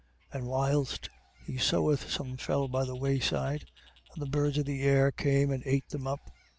13:4. And whilst he soweth some fell by the way side, and the birds of the air came and ate them up.